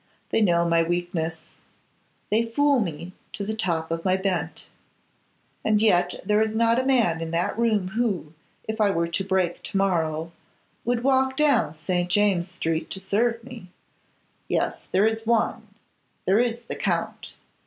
They know my weakness; they fool me to the top of my bent. And yet there is not a man in that room who, if I were to break to morrow, would walk down St. James' street to serve me. Yes! there is one; there is the Count.